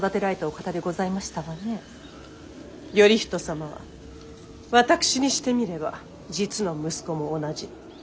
頼仁様は私にしてみれば実の息子も同じ。